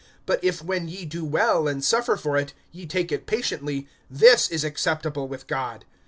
But if when ye do well, and suffer for it, ye take it patiently, this is acceptable with God.